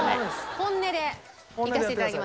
本音でいかせていただきます。